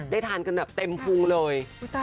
ได้ทานกันเต็มฟูงเลย